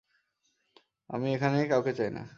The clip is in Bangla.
আমি এখানে কাউকে চাই না।